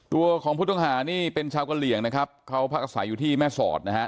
ตัวของผู้ต้องหานี่เป็นชาวกะเหลี่ยงนะครับเขาพักอาศัยอยู่ที่แม่สอดนะฮะ